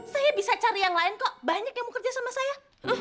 saya bisa cari yang lain kok banyak yang mau kerja sama saya